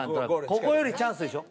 ここよりチャンスでしょ？